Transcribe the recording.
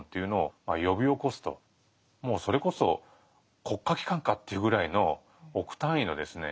もうそれこそ国家機関かっていうぐらいの億単位のですね